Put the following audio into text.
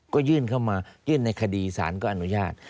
ก็ยื่นเข้ามายื่นในคดีสารก็อนุญาต